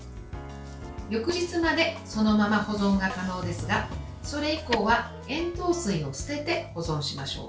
翌日までそのまま保存が可能ですがそれ以降は、塩糖水を捨てて保存しましょう。